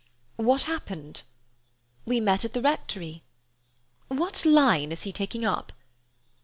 "What happened?" "We met at the Rectory." "What line is he taking up?"